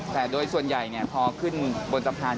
แต่โดยส่วนใหญ่พอขึ้นบนสะพาน